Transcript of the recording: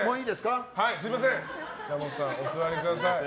ラモスさん、お座りください。